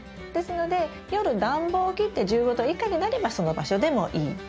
ですので夜暖房を切って１５℃以下になればその場所でもいい。